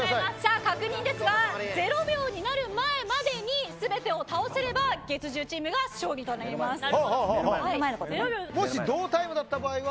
確認ですが０秒になる前までに全てを倒せれば月１０チームが勝利となりもし同タイムだった場合は。